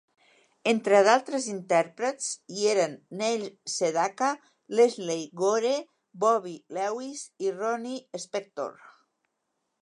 Entre d'altres intèrprets hi eren Neil Sedaka, Lesley Gore, Bobby Lewis i Ronnie Spector.